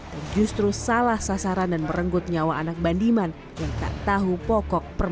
dan justru salah sasaran dan merenggut nyawa anak bandiman yang tak tahu pokok perang